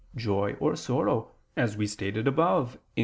joy or sorrow, as we stated above (Q.